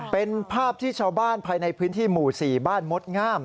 เป็นภาพที่ชาวบ้านภายในพื้นที่หมู่๔บ้านมดงาม